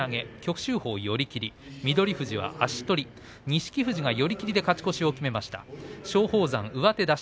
錦富士が寄り切りで勝ち越しを決めました。